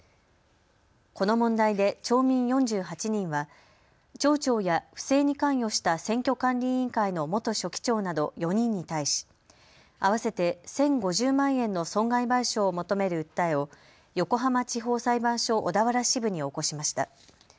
この問題で町民４８人は町長や不正に関与した選挙管理委員会の元書記長など４人に対し合わせて１０５０万円の損害賠償を求める訴えを横浜地方裁判所小田原支部に起こしました。